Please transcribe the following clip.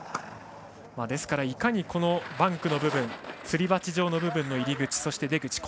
ですから、いかにバンクの部分すり鉢状の部分の入り口そして出口。